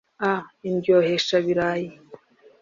«Indyoheshabirayi»